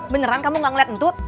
beneran kamu gak ngeliat entut